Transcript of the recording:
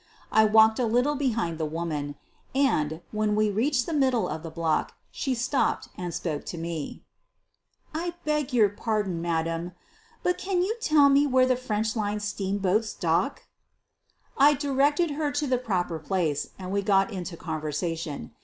I walked a little behind the woman, and, when we reached the middle of the block, she stopped and spoke to me: "I beg your pardon, madame, but can you tell me where the French line steamboats dock?" I directed her to the proper place and we got into conversation.